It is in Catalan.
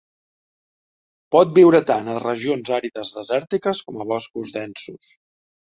Pot viure tant a regions àrides desèrtiques com a boscos densos.